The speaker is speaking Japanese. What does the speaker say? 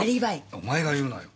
お前が言うなよ。